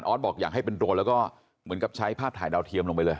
บอกอยากให้เป็นโดรนแล้วก็เหมือนกับใช้ภาพถ่ายดาวเทียมลงไปเลย